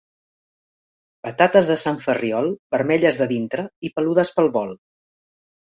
Patates de Sant Ferriol, vermelles de dintre i peludes pel vol.